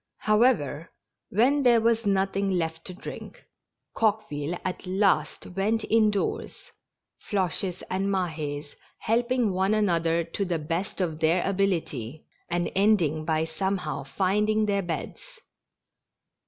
However, when there was nothing left to drink, Coque ville at last went indoors, Floches and Mahes helping one another to the best of their ability, and ending by some how finding their beds.